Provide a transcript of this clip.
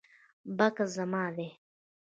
بکس زما دی